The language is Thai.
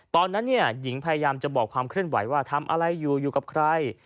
ตอนนั้นเนี่ยหญิงพยายามจะบอกความเคลื่อนไหวว่าทำอะไรอยู่อยู่กับใคร